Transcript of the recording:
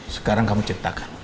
sekarang kamu ceritakan